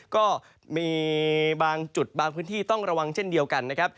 ก็มีบางจุดบางพื้นที่ต้องระวังเช่นเดียวกันนะครับ